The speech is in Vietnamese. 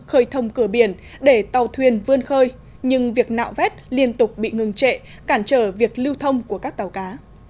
khơi thông cửa biển để tàu thuyền vươn khơi nhưng việc nạo vét liên tục bị ngừng trệ cản trở việc lưu thông của các tàu cá